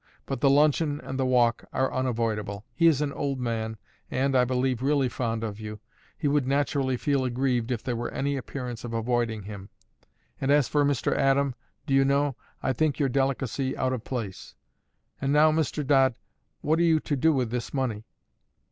But the luncheon and the walk are unavoidable. He is an old man, and, I believe, really fond of you; he would naturally feel aggrieved if there were any appearance of avoiding him; and as for Mr. Adam, do you know, I think your delicacy out of place.... And now, Mr. Dodd, what are you to do with this money?"